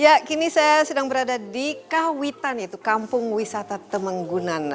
ya kini saya sedang berada di kawitan yaitu kampung wisata temenggungan